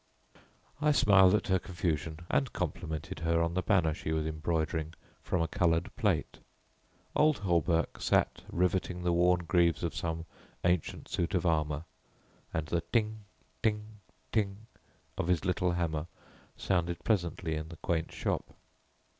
I smiled at her confusion and complimented her on the banner she was embroidering from a coloured plate. Old Hawberk sat riveting the worn greaves of some ancient suit of armour, and the ting! ting! ting! of his little hammer sounded pleasantly in the quaint shop.